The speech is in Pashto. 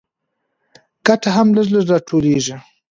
ګټه هم لږ لږ راټولېږي